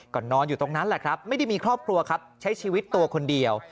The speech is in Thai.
ก็นอนอยู่ตรงนั้นแหละครับไม่ได้มีครอบครัวครับใช้ชีวิตตัวคนเดียว